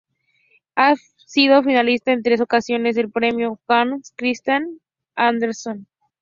Ha sido finalista en tres ocasiones del Premio Hans Christian Andersen.